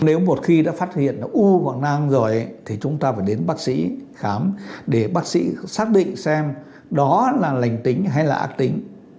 nếu một khi đã phát hiện u hoặc nam rồi thì chúng ta phải đến bác sĩ khám để bác sĩ xác định xem đó là lành tính hay là ác tính